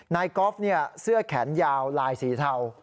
กอล์ฟเสื้อแขนยาวลายสีเทา